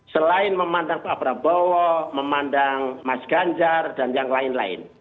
selain memandang pak prabowo memandang mas ganjar dan yang lain lain